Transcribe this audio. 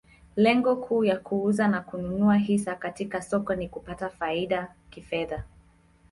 Lengo kuu ya kuuza na kununua hisa katika soko ni kupata faida kifedha.